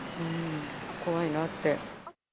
怖いなって。